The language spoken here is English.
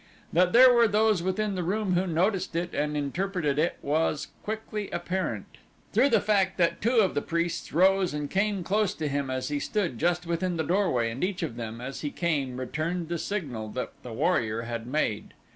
That there were those within the room who noticed it and interpreted it was quickly apparent, through the fact that two of the priests rose and came close to him as he stood just within the doorway and each of them, as he came, returned the signal that the warrior had made.